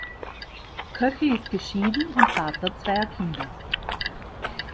Köchl ist geschieden und Vater zweier Kinder.